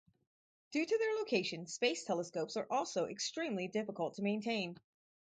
Due to their location, space telescopes are also extremely difficult to maintain.